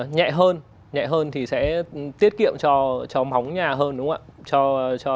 nhẹ hơn nhẹ hơn thì sẽ tiết kiệm cho móng nhà hơn đúng không ạ